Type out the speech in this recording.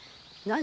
何？